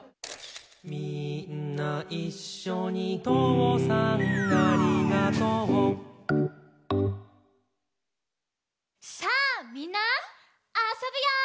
「みーんないっしょにとうさんありがとう」さあみんなあそぶよ！